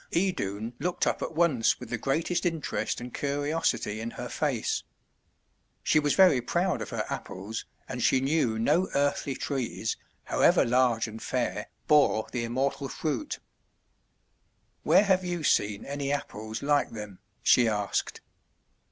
Idun looked up at once with the greatest interest and curiosity in her face. She was very proud of her Apples, and she knew no earthly trees, however large and fair, bore the immortal fruit. "Where have you seen any Apples like them?" she asked.